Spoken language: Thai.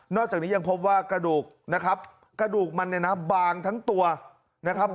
จากนี้ยังพบว่ากระดูกนะครับกระดูกมันเนี่ยนะบางทั้งตัวนะครับ